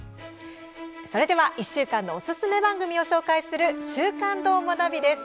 それでは１週間のおすすめ番組を紹介する「週刊どーもナビ」です。